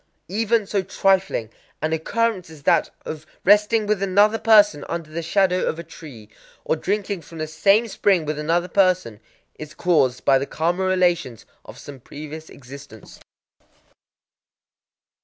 Even so trifling an occurrence as that of resting with another person under the shadow of a tree, or drinking from the same spring with another person, is caused by the karma relations of some previous existence.